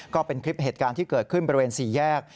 ก็เป็นคลิปเหตุการณ์ที่เกิดขึ้นบริเวณ๔แยก